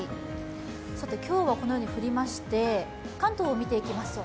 今日はこのように降りまして関東を見ていきましょう。